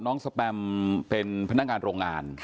สแปมเป็นพนักงานโรงงาน